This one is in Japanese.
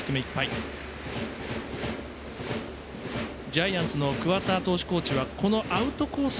ジャイアンツの桑田投手コーチはこのアウトコース